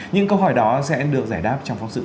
những câu hỏi đó sẽ được giải đáp trong phóng sự